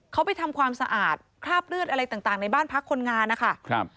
เขาไปทำความสะอาดคราบเลือดอะไรต่างในบ้านพักคนงานนะคะครับ